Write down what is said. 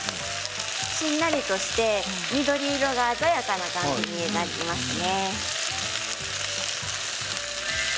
しんなりとして緑色が鮮やかな感じになりますね。